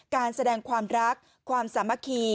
การแสดงความรักความสามัคคี